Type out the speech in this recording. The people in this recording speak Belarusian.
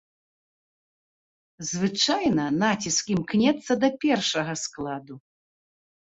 Звычайна, націск імкнецца да першага складу.